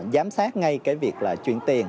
giám sát ngay cái việc là chuyển tiền